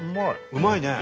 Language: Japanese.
うまいね。